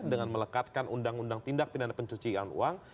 dengan melekatkan uu tindak pindana pencucian uang